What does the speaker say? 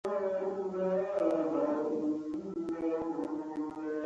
دیني علوم یې زده کول.